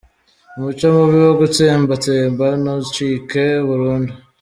Umuco mubi wo gutsembatsemba nucike burundu.